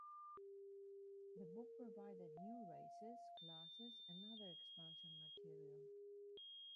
The book provided new races, classes, and other expansion material.